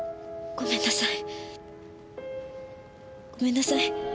ごめんなさい。